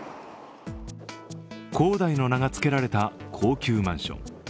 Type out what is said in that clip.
恒大の名がつけられた高級マンション。